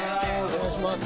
お願いします。